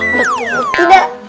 betul atau tidak